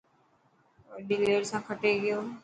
وڏي ليڊ سان کٽي گيو.